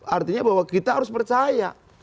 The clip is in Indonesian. artinya bahwa kita harus percaya